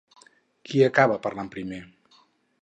Qui acaba parlant primer?